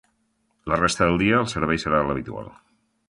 La resta del dia el servei serà l’habitual.